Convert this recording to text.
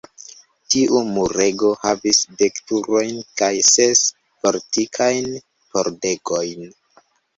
Tiu murego havis dek turojn kaj ses fortikajn pordegojn.